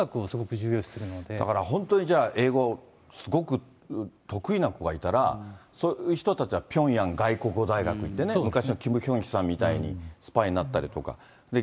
だから本当にじゃあ、英語すごく得意な子がいたら、そういう人たちはピョンヤン外国語大学っていってね、昔のキム・ヒョンヒさんみたいにスパイになったりとか。